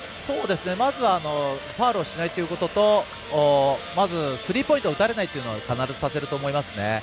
まずはファウルをしないということとスリーポイントを打たれないというのは話されると思いますね。